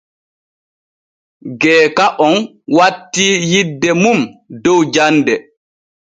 Geeka on wattii yidde mum dow jande.